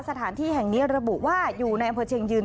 สถานที่แห่งนี้ระบุว่าอยู่ในอำเภอเชียงยืน